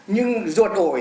nhưng ruột ổi